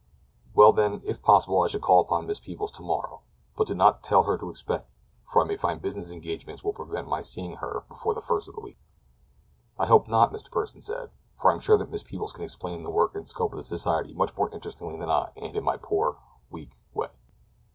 Well, then, if possible, I shall call upon Miss Peebles tomorrow; but do not tell her to expect me, for I may find business engagements will prevent my seeing her before the first of the week." "I hope not," Mr. Pursen said; "for I am sure that Miss Peebles can explain the work and scope of the society much more interestingly than I, in my poor, weak way."